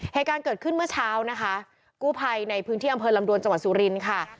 เหตุการณ์เกิดขึ้นเมื่อเช้านะคะกู้ภัยในพื้นที่อำเภอลำดวนจังหวัดสุรินทร์ค่ะ